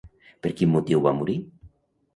Per quin motiu va morir?